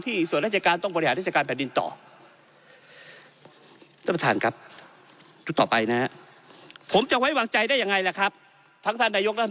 ที่ส่วนรัฐการณ์ต้องบริหารทรัศน์การแผ่นดินต่อ